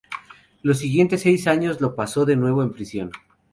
Los siguientes seis años los pasó de nuevo en prisión.